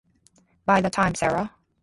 By the time Sarah.